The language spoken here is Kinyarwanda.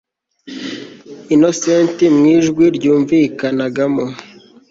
Innocent mwijwi ryumvikanagamo